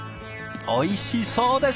おいしそうです。